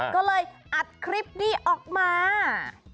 ก็เลยอัดคลิปนี้ออกมา